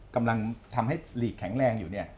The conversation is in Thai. กำลังทำให้หลีกแข็งแรงอยู่เนี่ย